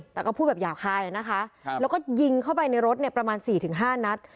แต่ก็พูดแบบหยาบคายนะคะแล้วก็ยิงเข้าไปในรถเนี่ยประมาณ๔๕นัด